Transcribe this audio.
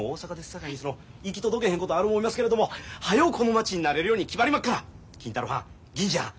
さかいに行き届けへんことある思いますけれども早うこの町に慣れるように気張りまっから金太郎はん銀次はん